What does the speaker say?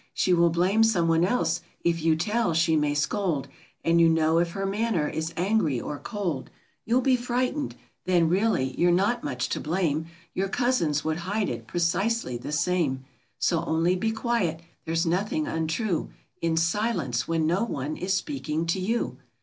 She will blame some one else. If you tell, she may scold ; And you know if her manner is angry or cold, You'll be frightened. Then, really, you're not much to blame ; Your Cousins would hide it precisely the same; So only be quiet; there's nothing untrue In silence when no one is speaking to you